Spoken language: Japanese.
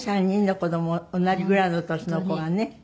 ３人の子供同じぐらいの年の子がね。